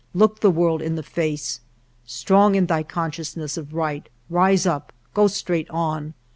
' Look the world in the face ! Strong in thy consciousness of right, rise up, go straight on